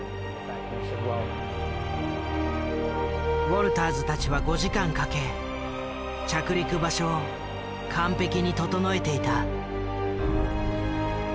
ウォルターズたちは５時間かけ着陸場所を完璧に整えていた。